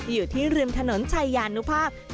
อยู่ที่ริมถนนชายานุภาพ